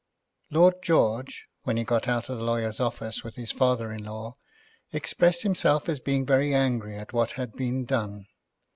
Lord George, when he got out of the lawyer's office with his father in law, expressed himself as being very angry at what had been done.